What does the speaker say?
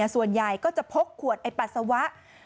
ส่วนใหญ่ก็จะพกขวดไอ้ปัสสาวะ